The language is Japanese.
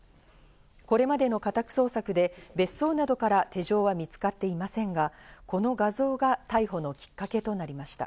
これまでの家宅捜索で、別荘などから手錠は見つかっていませんが、この画像が逮捕のきっかけとなりました。